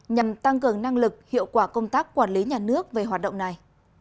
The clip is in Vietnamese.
nhằm tăng cường năng lực hiệu quả công tác quản lý nhà nước về hoạt động này